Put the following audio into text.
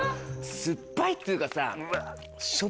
酸っぱいっていうかさ。